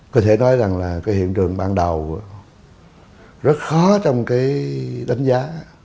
có thể nói rằng là cái hiện trường ban đầu rất khó trong cái đánh giá